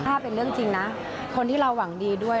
ถ้าเป็นเรื่องจริงนะคนที่เราหวังดีด้วย